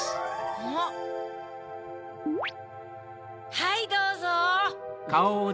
はいどうぞ。